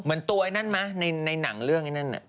มีนั่นไหมในหนังเรื่องนั้น